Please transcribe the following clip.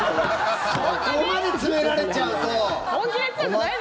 そこまで詰められちゃうと困っちゃう。